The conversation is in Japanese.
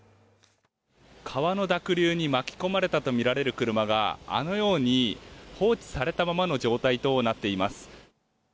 川の濁流に巻き込まれたとみられる車があのように放置されたままの状態となっています。